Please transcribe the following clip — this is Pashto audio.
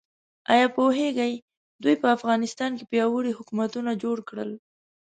ایا پوهیږئ دوی په افغانستان کې پیاوړي حکومتونه جوړ کړل؟